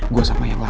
gue sama yang lain